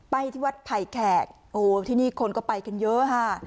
ที่วัดไผ่แขกโอ้ที่นี่คนก็ไปกันเยอะค่ะ